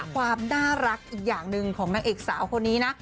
ความน่ารักอีกอย่างหนึ่งของนางเอกสาวคนนี้นะ